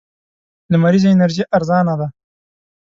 لمريزه انرژي ارزانه ده.